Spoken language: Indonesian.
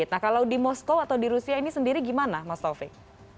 nah kalau di moskow atau di rusia ini sendiri gimana mas taufik